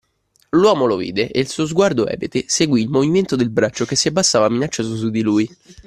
L'uomo lo vide e il suo sguardo ebete seguì il movimento del braccio che si abbassava minaccioso su di lui.